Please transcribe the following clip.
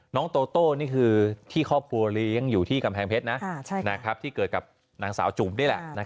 โตโต้นี่คือที่ครอบครัวเลี้ยงอยู่ที่กำแพงเพชรที่เกิดกับนางสาวจุ๋มนี่แหละ